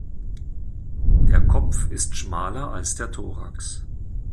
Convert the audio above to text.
Der Kopf ist schmaler als der Thorax.